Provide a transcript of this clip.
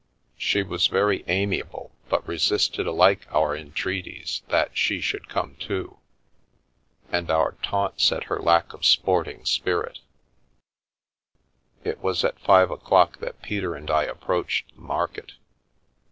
She was The Milky Way very amiable, but resisted alike our entreaties, that she should come too, and our taunts at her lack of sporting spirit It was at five o'clock that Peter and I approached the market.